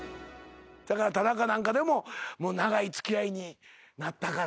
田中なんかでも長い付き合いになったからなぁ。